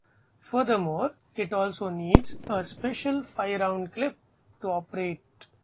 Furthermore, it also needed a special five-round clip to operate.